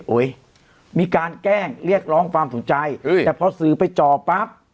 โอ้ยมีการแกล้งเรียกร้องความสนใจอุ้ยแต่พอซื้อไปจอปั๊บ